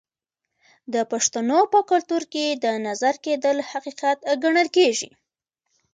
د پښتنو په کلتور کې د نظر کیدل حقیقت ګڼل کیږي.